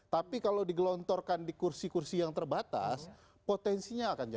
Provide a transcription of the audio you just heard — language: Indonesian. tapi kalau digelontorkan di kursi kursi yang terbatas potensinya akan jauh